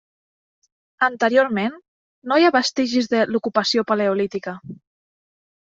Anteriorment, no hi ha vestigis de l'ocupació paleolítica.